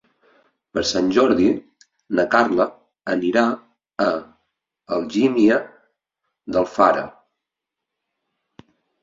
Per Sant Jordi na Carla anirà a Algímia d'Alfara.